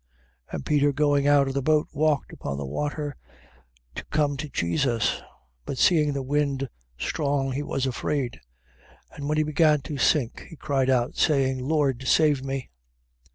And Peter going down out of the boat walked upon the water to come to Jesus. 14:30. But seeing the wind strong, he was afraid: and when he began to sink, he cried out, saying: Lord, save me.